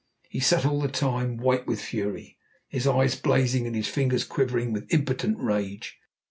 He sat all the time, white with fury, his eyes blazing, and his fingers quivering with impotent rage.